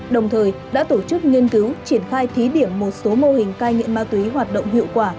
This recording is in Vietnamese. đồng thời đã tổ chức nghiên cứu triển khai thí điểm một số mô hình cai nghiện ma túy hoạt động hiệu quả